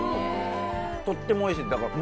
とってもおいしいんです。